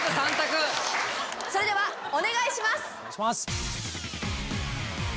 それではお願いします！